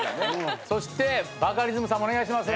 そしてバカリズムさんもお願いします。